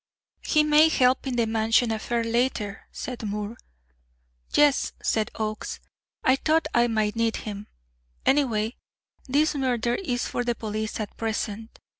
"He may help in the Mansion affair later," said Moore. "Yes," said Oakes. "I thought I might need him. Anyway, this murder is for the police at present.